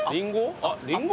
リンゴ？